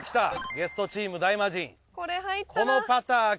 ゲストチーム大魔神。